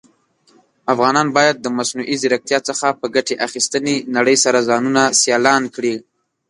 افغانان بايد د مصنوعى ځيرکتيا څخه په ګټي اخيستنې نړئ سره ځانونه سيالان کړى.